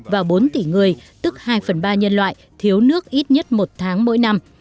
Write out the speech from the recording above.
và bốn tỷ người tức hai phần ba nhân loại thiếu nước ít nhất một tháng mỗi năm